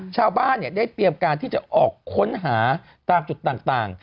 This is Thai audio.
ชาวบ้านได้เตรียมการที่จะออกค้นหาตามจุดต่าง